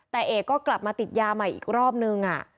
แต่เอกก็กลับมาติดยาใหม่อีกรอบนึง